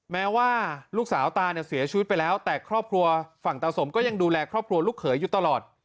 แม้ว่าลูกสาวตาเนี่ยเสียชีวิตไปแล้วแต่ครอบครัวฝั่งตาสมก็ยังดูแลครอบครัวลูกเขยอยู่ตลอด